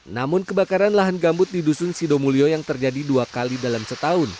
namun kebakaran lahan gambut di dusun sidomulyo yang terjadi dua kali dalam setahun